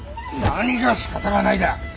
なにがしかたがないだ。